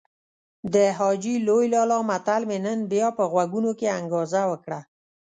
د حاجي لوی لالا متل مې نن بيا په غوږونو کې انګازه وکړه.